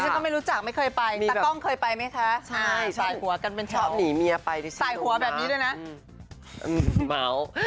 ดิฉันก็ไม่รู้จักไม่เคยไปตากล้องเคยไปมั้ยคะ